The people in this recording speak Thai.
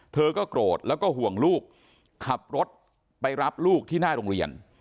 เธอก็โกรธแล้วก็ห่วงลูกขับรถไปรับลูกที่หน้าโรงเรียน